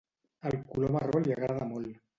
El color marró li agrada molt.